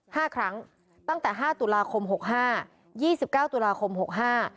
ห้าครั้งตั้งแต่ห้าตุลาคมหกห้ายี่สิบเก้าตุลาคมหกห้า